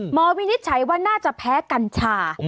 วินิจฉัยว่าน่าจะแพ้กัญชา